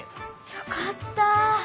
よかった。